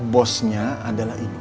bosnya adalah ibu